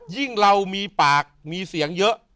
ยิ่งเรามีปากมีเสียงเยอะ